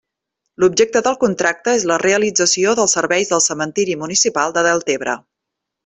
L'objecte del contracte és la realització dels serveis del cementiri municipal de Deltebre.